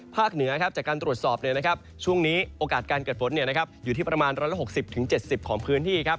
เหนือจากการตรวจสอบช่วงนี้โอกาสการเกิดฝนอยู่ที่ประมาณ๑๖๐๗๐ของพื้นที่ครับ